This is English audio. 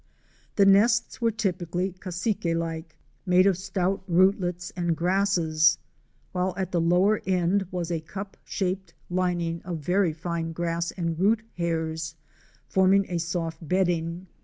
The nests were typically Cassique like, made of stout root lets and grasses, while at the lower end was a cup shaped lining of very fine grass and root hairs, forming a soft bedding.